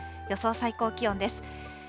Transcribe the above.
予想最高気温です。